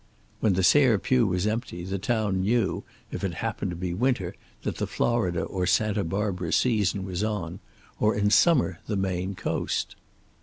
When the Sayre pew was empty, the town knew, if it happened to be winter, that the Florida or Santa Barbara season was on; or in summer the Maine coast.